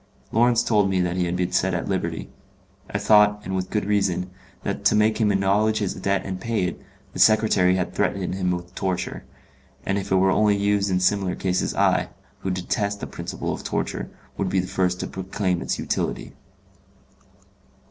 Lawrence told me that he had been set at liberty. I thought, and with good reason, that, to make him acknowledge his debt and pay it, the secretary had threatened him with the torture; and if it were only used in similar cases, I, who detest the principle of torture, would be the first to proclaim its utility.